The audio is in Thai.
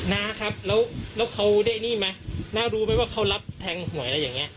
น้าครับแล้วเขาได้หนี้ไหมน้ารู้ไหมว่าเขารับแทงหวยอะไรอย่างเงี้